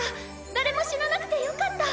誰も死ななくてよかった。